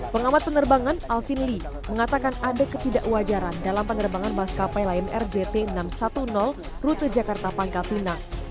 pengamat penerbangan alvin lee mengatakan ada ketidakwajaran dalam penerbangan bas kapai lmrjt enam ratus sepuluh rute jakarta pangkal pina